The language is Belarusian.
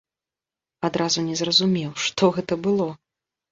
Адразу не зразумеў, што гэта было.